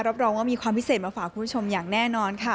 รับรองว่ามีความพิเศษมาฝากคุณผู้ชมอย่างแน่นอนค่ะ